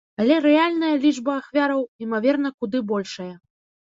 Але рэальная лічба ахвяраў імаверна куды большая.